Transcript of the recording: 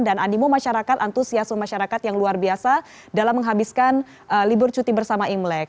dan animo masyarakat antusiaso masyarakat yang luar biasa dalam menghabiskan libur cuti bersama imlek